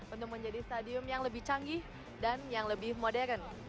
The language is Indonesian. untuk menjadi stadium yang lebih canggih dan yang lebih modern